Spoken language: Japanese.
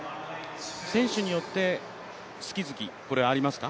選手によって、好き好きはありますか？